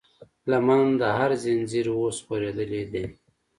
لمن د هر زنځير اوس خورېدلی دی